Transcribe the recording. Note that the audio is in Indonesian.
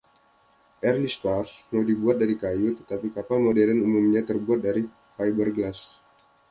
Early Stars dibuat dari kayu, tetapi kapal modern umumnya terbuat dari fiberglass.